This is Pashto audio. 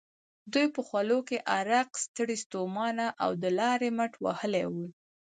دوی په خولو کې غرق، ستړي ستومانه او د لارې مټ وهلي ول.